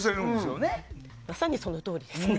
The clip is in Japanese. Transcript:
まさにそのとおりですね。